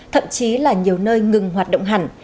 thậm chí là nhiều nơi ngừng hoạt động hẳn